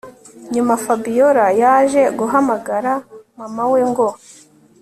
Nyuma Fabiora yaje guhamagara mama we ngo